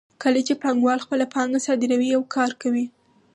کله چې پانګوال خپله پانګه صادروي یو کار کوي